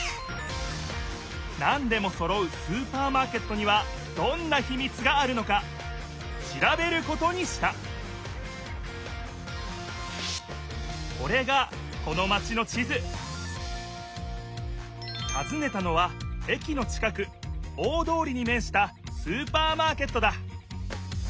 なんでもそろうスーパーマーケットにはどんなひみつがあるのか調べることにしたこれがこのマチの地図たずねたのは駅のちかく大通りにめんしたスーパーマーケットだ！